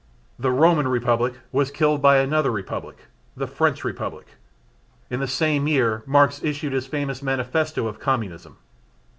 The Roman Republic was killed by another Republic, the French Republic. In the same year Marx issued his famous manifesto of Communism.